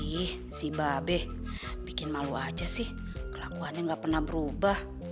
ih si babe bikin malu aja sih kelakuannya gak pernah berubah